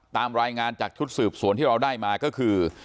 ตามรายงานจากชุดสืบสวนที่เราได้มาก็คือ